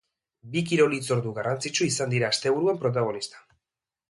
Bi kirol hitzordu garrantzitsu izan dira asteburuan protagonista.